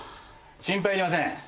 心配いりません。